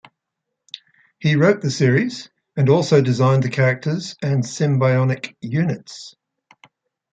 He wrote the series and also designed the characters and Sym-Bionic Units.